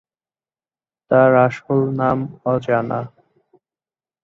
তার আসল নাম অজানা।